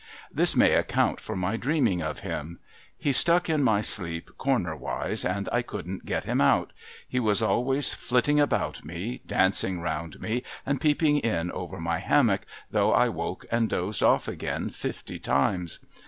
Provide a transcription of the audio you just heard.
This may account for my dreaming of him. Pie stuck in my sleep, cornerwise, and I couldn't get him out. He was always flitting about me, dancing round me, and peeping in over my hammock, though I woke and dozed off again fifty times.